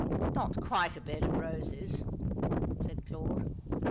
"Not quite a bed of roses," said Claude.